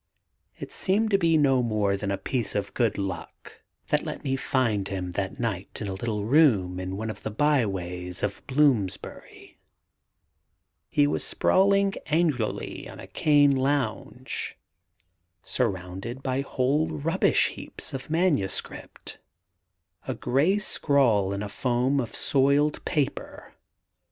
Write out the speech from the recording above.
It seemed to be no more than a piece of good luck that let me find him that night in a little room in one of the by ways of Bloomsbury. He was sprawling angularly on a cane lounge, surrounded by whole rubbish heaps of manuscript, a grey scrawl in a foam of soiled paper.